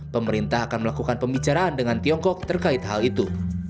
pemerintah akan melakukan pembicaraan dengan tiongkok terkait hal itu